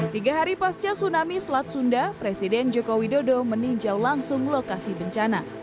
tiga hari pasca tsunami selat sunda presiden joko widodo meninjau langsung lokasi bencana